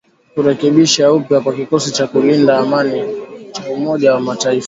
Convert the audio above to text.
kurekebishwa upya kwa kikosi cha kulinda amani cha Umoja wa Mataifa